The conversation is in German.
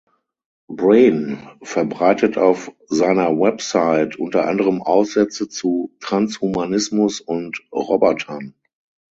Brain verbreitet auf seiner Website unter anderem Aufsätze zu Transhumanismus und Robotern.